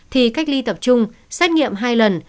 thì cách ly tập trung xét nghiệm hai lần